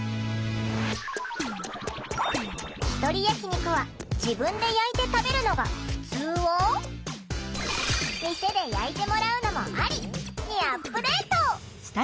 「ひとり焼き肉は自分で焼いて食べるのがふつう」を「店で焼いてもらうのもアリ」にアップデート！